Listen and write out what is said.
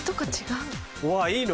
うわいいの？